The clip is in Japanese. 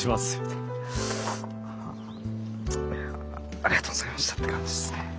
ありがとうございましたって感じっすね。